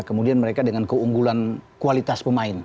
kemudian mereka dengan keunggulan kualitas pemain